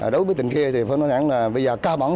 đối với tỉnh khê thì phấn đấu trọng điểm là bây giờ cao bỏng